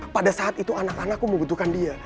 pada saat itu anak anakku membutuhkan dia